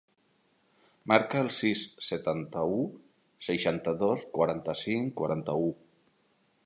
Marca el sis, setanta-u, seixanta-dos, quaranta-cinc, quaranta-u.